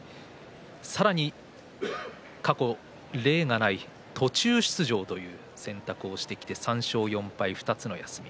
さらに過去、例がない途中出場という選択をしてきて３勝４敗２つの休み。